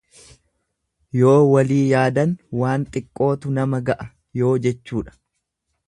Yoo walii yaadan waan xiqqootu nama ga'a Yoo jechuudha.